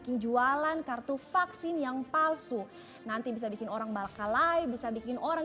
di dalam narasi tersebut sang pengunggah mengaku bingung